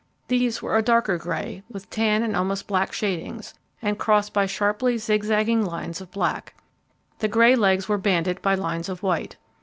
These were a darker grey, with tan and almost black shadings, and crossed by sharply zig zagging lines of black. The grey legs were banded by lines of white.